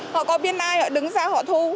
họ có biên ai họ đứng ra họ thu